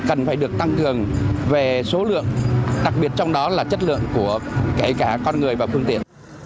cần phải được tăng cường về số lượng đặc biệt trong đó là chất lượng của kể cả con người và phương tiện